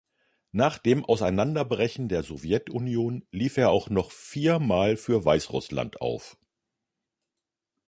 Nach dem Auseinanderbrechen der Sowjetunion lief er auch noch vier Mal für Weißrussland auf.